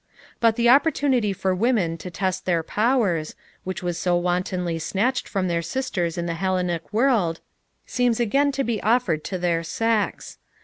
But the opportunity for women to test their powers, which was so wantonly snatched from their sisters in the Hellenic world, seems again to be offered to their sex.